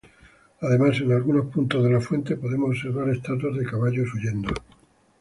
Además en algunos puntos de la fuente podemos observar estatuas de caballos huyendo.